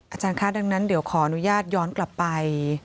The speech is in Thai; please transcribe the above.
อาจารย์คะดังนั้นเดี๋ยวขออนุญาตย้อนกลับไป